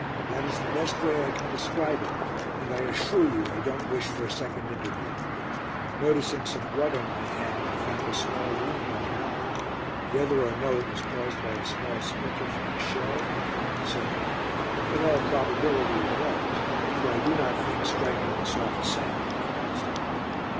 That is the best way I can describe it, and I assure you I don't wish for a second interview. Noticing some blood upon my hand, I found a small wound on the knuckle. Whether or no it was caused by a small splinter from the shell, I cannot say; in all probability it was, for I do not think striking the soft sand would have caused it.